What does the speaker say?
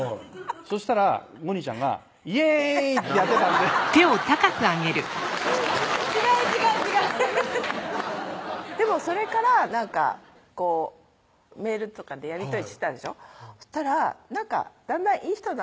そしたらゴニちゃんが「イエーイ！」ってやってたんで違う違う違うでもそれからメールとかでやり取りしてたんですよそしたらだんだんいい人だ